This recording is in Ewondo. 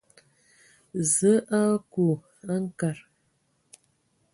Zǝə a aku a nkad.